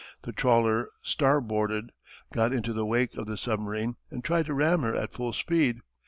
The trawler star boarded, got into the wake of the submarine and tried to ram her at full speed.